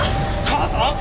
母さん！